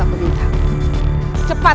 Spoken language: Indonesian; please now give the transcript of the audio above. siliwangi itu jahat